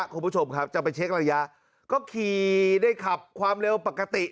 คุณผู้ชมครับจะไปเช็คระยะก็ขี่ได้ขับความเร็วปกติ